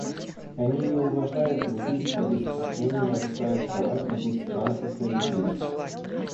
Они не уважают других и без стеснений нарушают права других стран и правительств.